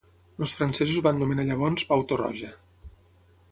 Els francesos van nomenar llavors Pau Torroja.